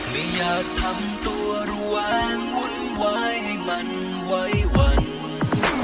ไม่อยากทำตัวแรงหุ้นไหวให้มันไหวหวัน